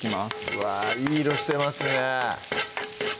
うわいい色してますね